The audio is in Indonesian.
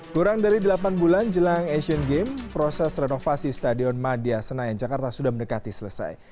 kurang dari delapan bulan jelang asian games proses renovasi stadion madia senayan jakarta sudah mendekati selesai